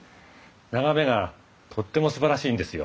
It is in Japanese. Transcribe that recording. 眺めがとってもすばらしいんですよ。